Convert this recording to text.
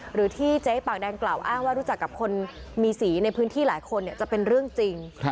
หรือที่เจ๊ปากแดงกล่าวอ้างว่ารู้จักกับคนมีสีในพื้นที่หลายคนจะเป็นเรื่องจริง